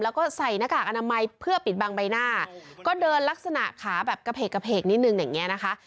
แล้วก็ใส่หน้ากากอนามัยเพื่อปิดบังใบหน้าก็เดินลักษณะขาแบบกระเพกกระเพกนิดนึงอย่างเงี้นะคะ